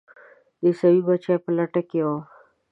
د عیسوي بچي په لټه کې وم.